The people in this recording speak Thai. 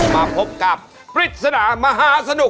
มาพบกับปริศนามหาสนุก